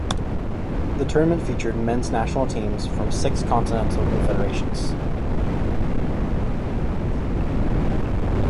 The tournament featured men's national teams from six continental confederations.